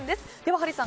ハリーさん